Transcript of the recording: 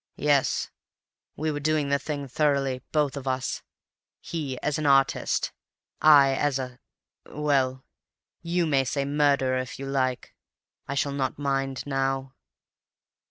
Yes, we were doing the thing thoroughly, both of us; he as an artist, I as a—well, you may say murderer, if you like. I shall not mind now.